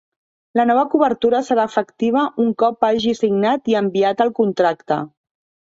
La nova cobertura serà efectiva un cop hagi signat i enviat el contracte.